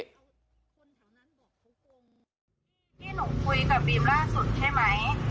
นี่หนูคุยกับบีมล่าสุดใช่ไหม